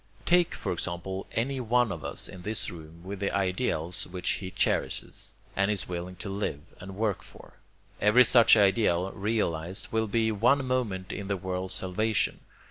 Take, for example, any one of us in this room with the ideals which he cherishes, and is willing to live and work for. Every such ideal realized will be one moment in the world's salvation.